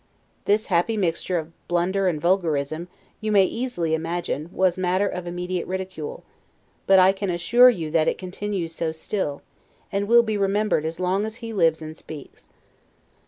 This happy mixture of blunder and vulgarism, you may easily imagine, was matter of immediate ridicule; but I can assure you that it continues so still, and will be remembered as long as he lives and speaks.